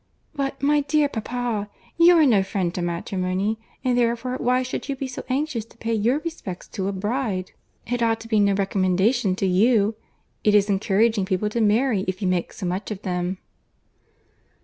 "But, my dear papa, you are no friend to matrimony; and therefore why should you be so anxious to pay your respects to a bride? It ought to be no recommendation to you. It is encouraging people to marry if you make so much of them."